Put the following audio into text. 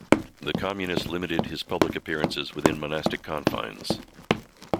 The Communists limited his public appearances within monastic confines.